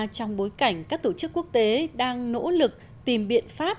trong bối cảnh các tổ chức quốc tế đang nỗ lực tìm biện pháp